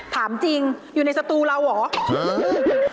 ถามจริงอยู่ในสตูเราเหรอ